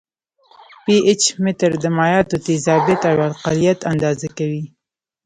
پي ایچ متر د مایعاتو تیزابیت او القلیت اندازه کوي.